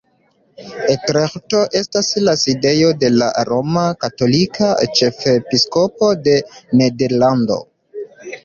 Utreĥto estas la sidejo de la roma katolika ĉefepiskopo de Nederlando.